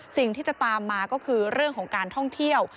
สิ่งที่จะตามมาก็คือเรื่องของการท่องเที่ยว